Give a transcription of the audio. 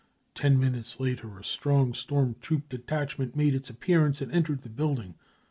Ten minutes later a strong storm troop detachment made its appearance and entered the building.